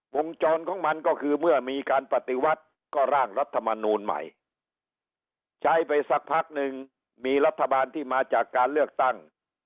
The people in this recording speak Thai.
วงจรของมันก็คือเมื่อมีการปฏิวัติก็ร่างรัฐมนูลใหม่ใช้ไปสักพักหนึ่งมีรัฐบาลที่มาจากการเลือกตั้ง